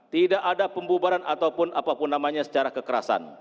tidak ada pembubaran ataupun apapun namanya secara kekerasan